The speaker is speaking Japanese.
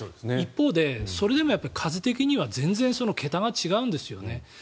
一方でそれでも数的には全然桁が違うんですよね。